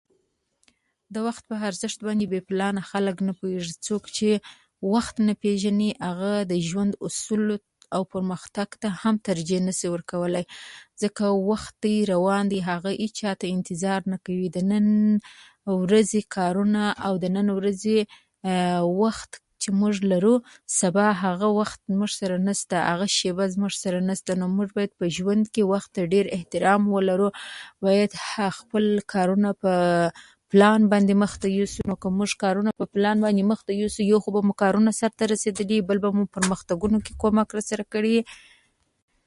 د وخت په ارزښت باندې بې‌پلانه خلک نه پوهېږي. څوک چې وخت نه پېژني، هغه د ژوند اصولو او پرمختګ ته هم ترجیح نشي ورکولای، ځکه وخت دی روان دی، هغه هېچا ته انتظار نه کوي. د نن ورځې کارونه او د نن ورځې وخت چې موږ لرو، سبا هغه وخت زموږ سره نشته، هغه شېبه زموږ سره نشته؛ نو باید په ژوند کې وخت ته ډېر احترام ولرو، باید د [unintelligible] خپل کارونه په پلان باندې مخته یوسو. نو که موږ خپل کارونه په پلان باندې مخته یوسو، یو خو به مو کارونه سرته رسېدلي وي، بل به مو پرمختګونو کې کومک راسره کړی وي.